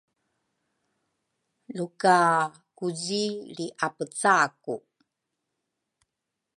luka kugi lriapeceaku.